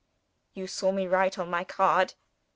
You saw me write on my card.